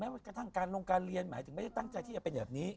มันกระทั่งการลงการเรียนหมายถึงไม่ได้ตั้งใจที่จะเป็นแบบนี้